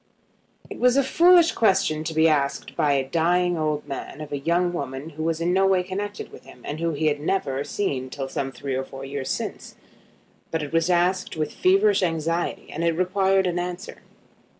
It was a foolish question to be asked by a dying old man of a young woman who was in no way connected with him, and whom he had never seen till some three or four years since. But it was asked with feverish anxiety, and it required an answer.